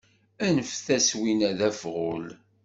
Anef-as win-a d afɣul